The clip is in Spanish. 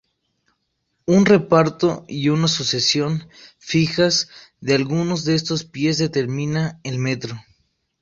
Un "reparto" y una "sucesión" "fijas" de algunos de estos pies determina el metro.